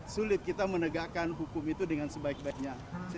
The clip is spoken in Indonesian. sulit kita menegakkan hukum itu dengan sebaik baiknya